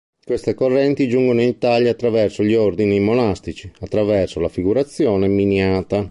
Queste correnti giungono in Italia attraverso gli ordini monastici, attraverso la figurazione miniata.